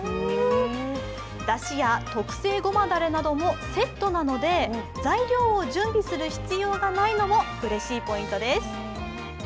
だしや、特製ごまだれなどもセットなので材料を準備する必要がないのもうれしいポイントです。